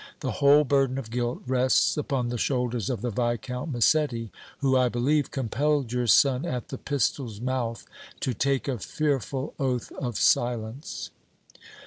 The whole burden of guilt rests upon the shoulders of the Viscount Massetti, who, I believe, compelled your son at the pistol's mouth to take a fearful oath of silence.